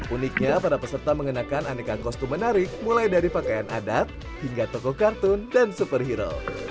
uniknya para peserta mengenakan aneka kostum menarik mulai dari pakaian adat hingga toko kartun dan superhero